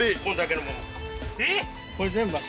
えっ！